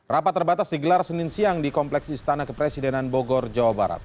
rapat terbatas digelar senin siang di kompleks istana kepresidenan bogor jawa barat